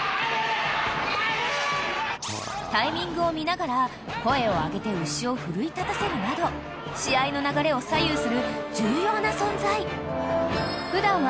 ［タイミングを見ながら声を上げて牛を奮い立たせるなど試合の流れを左右する重要な存在］